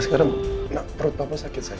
sekarang perut papa sakit saya